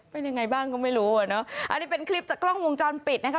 เป็นยังไงบ้างก็ไม่รู้อ่ะเนอะอันนี้เป็นคลิปจากกล้องวงจรปิดนะคะ